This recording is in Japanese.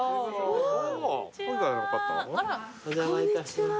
お邪魔いたします。